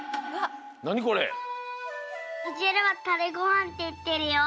うちではタレごはんっていってるよ！